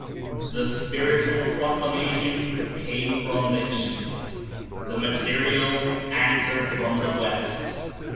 The spiritual pro clamation came from the East; the material answered from the West.